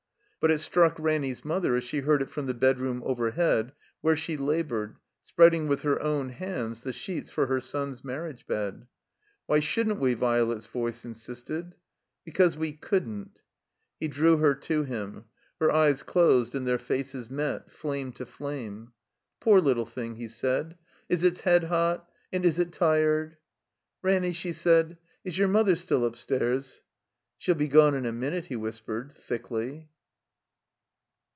But it struck Ranny's mother as she heard it from the bedroom overhead, where she labored, spreading with her own hands the sheets for her son's mar riage bed. "Why shouldn't we?" Violet's voice insisted. "Because we couldn't." He drew her to him. Her eyes closed and their faces met, flame to flame. "Poor little thing," he said. "Is its head>ot? And is it tired?" "Ranny," she said, "is your mother still up stairs?" "She'll be gone in a minute," he whispered, thickly.